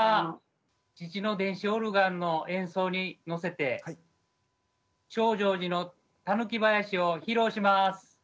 父の電子オルガンの演奏に乗せて「証城寺の狸囃子」を披露します。